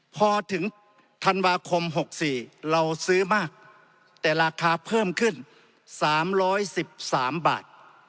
พอถึงธันวาคม๖๔เราซื้อมากแต่ราคาเพิ่มขึ้น๓๑๓บาท